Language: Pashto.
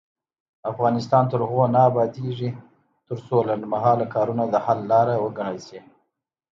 افغانستان تر هغو نه ابادیږي، ترڅو لنډمهاله کارونه د حل لاره وګڼل شي.